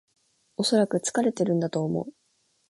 おそらく疲れてるんだと思う